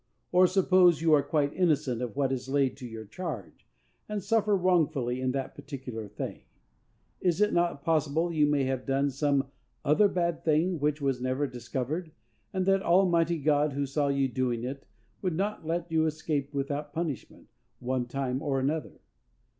Or, suppose you are quite innocent of what is laid to your charge, and suffer wrongfully in that particular thing; is it not possible you may have done some other bad thing which was never discovered, and that Almighty God, who saw you doing it, would not let you escape without punishment, one time or another?